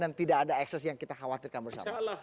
dan tidak ada ekses yang kita khawatirkan bersama